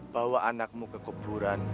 bawa anakmu ke kuburan